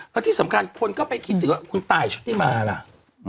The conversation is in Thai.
แล้วที่สำคัญผมก็ไปคิดว่าคุณตายชุดนี้มาแล้วอืม